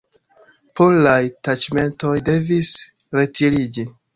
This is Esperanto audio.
Polaj taĉmentoj devis retiriĝi.